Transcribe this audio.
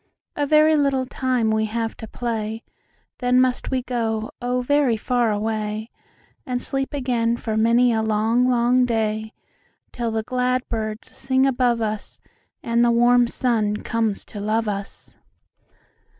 "A very little time we have to play, Then must we go, oh, very far away, And sleep again for many a long, long day, Till the glad birds sing above us, And the warm sun comes to love us.